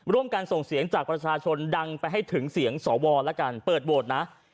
การส่งเสียงจากประชาชนดังไปให้ถึงเสียงสวแล้วกันเปิดโหวตนะ